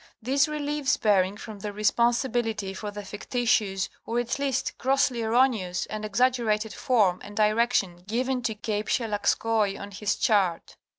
This relieves Bering from the responsibility for the fictitious or at least grossly erroneous and exaggerated form and direction given to Cape Shelagskoi on his chart.